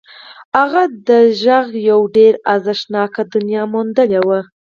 هغه د غږ یوه ډېره ارزښتناکه دنیا موندلې وه